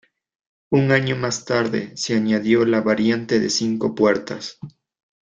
Un año más tarde se añadió la variante de cinco puertas.